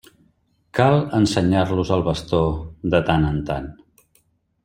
Cal ensenyar-los el bastó de tant en tant.